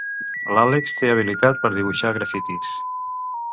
L'Àlex té habilitat per dibuixar grafitis.